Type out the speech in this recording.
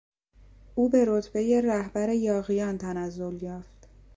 او به رتبهی رهبر یاغیان تنزل یافت.